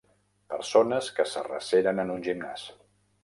Persones que s'arreceren en un gimnàs